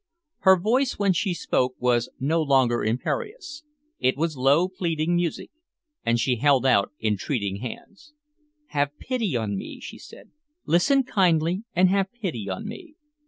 Her voice, when she spoke, was no longer imperious; it was low pleading music. And she held out entreating hands. "Have pity on me," she said. "Listen kindly, and have pity on me.